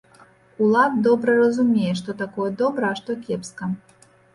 Улад добра разумее, што такое добра, а што кепска.